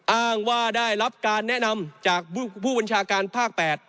อ้างว่าได้รับการแนะนำจากผู้บัญชาการภาค๘